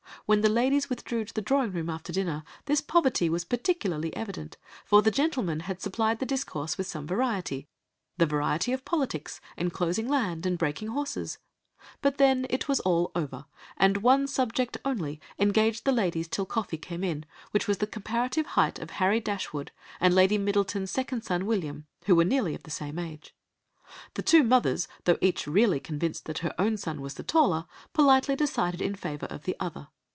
When the ladies withdrew to the drawing room after dinner, this poverty was particularly evident, for the gentlemen had supplied the discourse with some variety—the variety of politics, enclosing land, and breaking horses—but then it was all over, and one subject only engaged the ladies till coffee came in, which was the comparative height of Harry Dashwood, and Lady Middleton's second son, William, who were nearly of the same age ... the two mothers though each really convinced that her own son was the taller, politely decided in favour of the other.